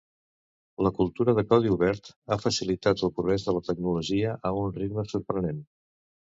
La cultura de codi obert ha facilitat el progrés de la tecnologia a un ritme sorprenent.